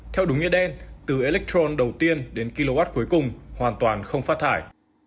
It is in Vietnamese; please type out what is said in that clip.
theo đúng nghĩa đen từ electron đầu tiên đến kw cuối cùng hoàn toàn không phát thải